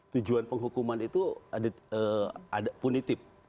tujuan penghukuman itu punitif